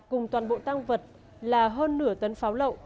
cùng toàn bộ tăng vật là hơn nửa tấn pháo lậu